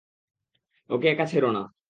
ওকে একা ছেড়ো না।